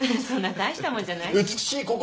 そんな大したもんじゃない